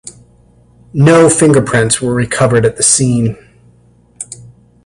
No fingerprints were recovered at the scene.